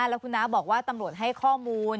แล้วคุณน้าบอกว่าตำรวจให้ข้อมูล